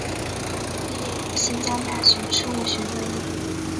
毕业于新疆大学生物学专业。